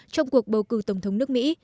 trong cuộc bầu cử tổng thống nước mỹ